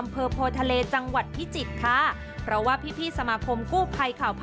ไปชมกันค่ะ